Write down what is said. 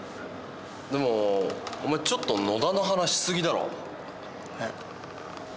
でもお前ちょっと野田の話しすぎだろ。え？